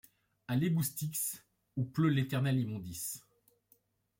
À l’égout Styx, où pleut l’éternelle immondice ;